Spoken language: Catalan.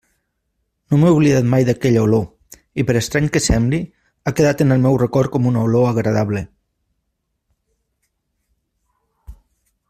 No m'he oblidat mai d'aquella olor, i per estrany que sembli, ha quedat en el meu record com una olor agradable.